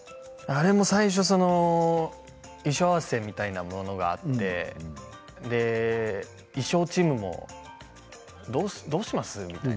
あれも最初、衣装合わせみたいなものがあって衣装チームもどうします？と。